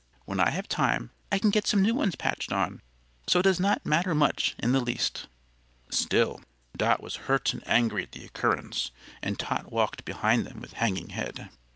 When I have time I can get some new ones patched on; so it does not matter much in the least." Still, Dot was hurt and angry at the occurrence, and Tot walked behind them with hanging head.